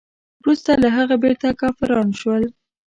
وروسته له هغه بیرته کافران شول.